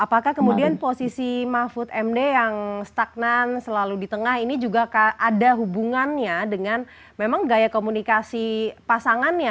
apakah kemudian posisi mahfud md yang stagnan selalu di tengah ini juga ada hubungannya dengan memang gaya komunikasi pasangannya